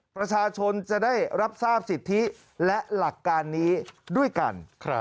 ประชาชนจะได้รับทราบสิทธิและหลักการนี้ด้วยกัน